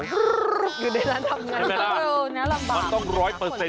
หรืออยู่ในร้านทำงาน